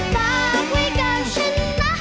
ฝากไว้กับฉันนะ